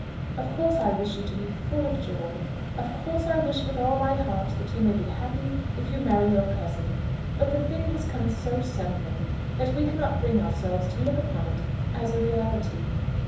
Of course I wish you to be full of joy; of course I wish with all my heart that you may be happy if you marry your cousin; but the thing has come so suddenly that we cannot bring ourselves to look upon it as a reality.